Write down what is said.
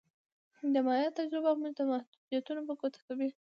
د مایا تجربه موږ ته محدودیتونه په ګوته کوي